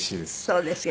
そうですか。